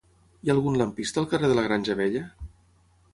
Hi ha algun lampista al carrer de la Granja Vella?